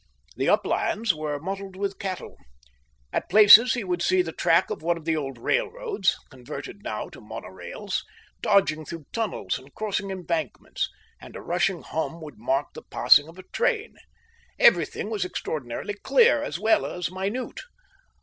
The uplands were mottled with cattle. At places he would see the track of one of the old railroads (converted now to mono rails) dodging through tunnels and crossing embankments, and a rushing hum would mark the passing of a train. Everything was extraordinarily clear as well as minute.